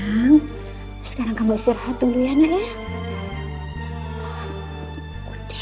eh sayang keluar dulu ya nak ya